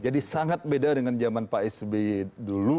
tapi saya juga dengan zaman pak sb dulu